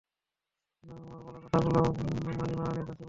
শুধু আমার বলা কথাগুলো মানিমারানের কাছে পৌঁছে দিবে।